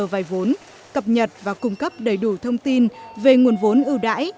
vay vốn cập nhật và cung cấp đầy đủ thông tin về nguồn vốn ưu đãi